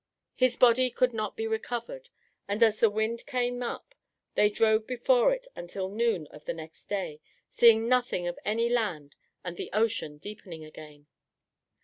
His body could not be recovered, and as the wind came up, they drove before it until noon of the next day, seeing nothing of any land and the ocean deepening again.